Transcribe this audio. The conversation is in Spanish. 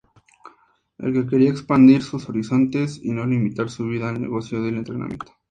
Él quería expandir sus horizontes y no limitar su vida al negocio del entretenimiento.